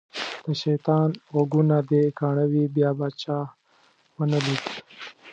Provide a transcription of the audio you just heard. د شیطان غوږونه دې کاڼه وي بیا چا ونه لید.